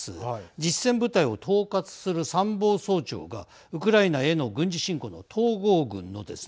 実戦部隊を統括する参謀総長がウクライナへの軍事侵攻の統合軍のですね